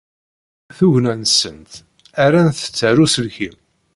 Tugna-nsent rrant-tt ar uselkim.